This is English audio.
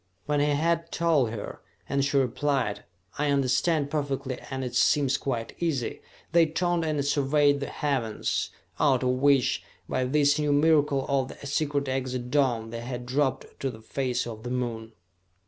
When he had told her, and she replied, "I understand perfectly, and it seems quite easy," they turned and surveyed the heavens, out of which, by this new miracle of the secret exit dome, they had dropped to the face of the Moon.